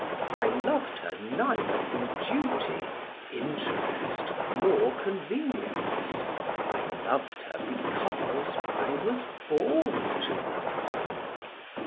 I loved her neither from duty, interest, nor convenience; I loved her because I was born to love her.